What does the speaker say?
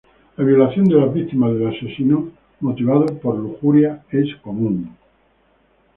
La violación de las víctimas del asesino motivado por lujuria es común.